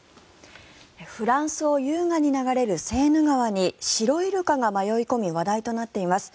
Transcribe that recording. フランスを優雅に流れるセーヌ川にシロイルカが迷い込み話題となっています。